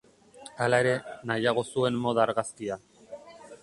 Hala ere, nahiago zuen moda-argazkia.